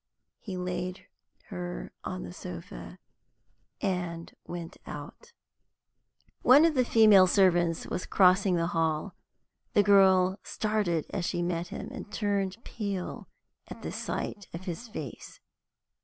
He laid her on the sofa and went out. One of the female servants was crossing the hall. The girl started as she met him, and turned pale at the sight of his face.